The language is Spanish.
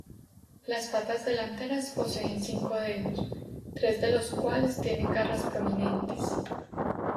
Las patas delanteras poseen cinco dedos, tres de los cuales tienen garras prominentes.